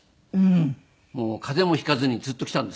風邪も引かずにずっと来たんですよ。